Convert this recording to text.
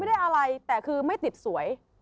ได้อะไรแต่คือไม่ติดสวย